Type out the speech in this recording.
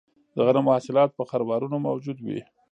د غنمو حاصلات په خروارونو موجود وي